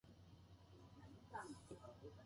いいねーー最高です